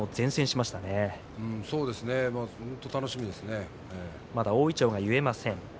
まだ大いちょうが結えません。